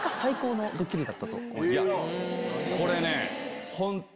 これね。